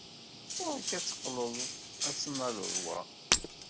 Ɣur-k ad teqqleḍ ad tennaleḍ wa.